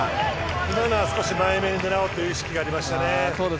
今のは少し前めを狙おうという意識がありました。